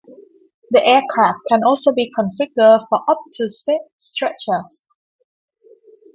The aircraft can also be configured for up to six stretchers.